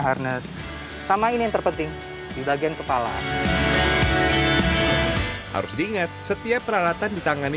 harness sama ini yang terpenting di bagian kepala harus diingat setiap peralatan ditangani